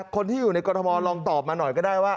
คนที่อยู่ในกรทมลองตอบมาหน่อยก็ได้ว่า